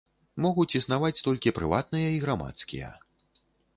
Могуць існаваць толькі прыватныя і грамадскія.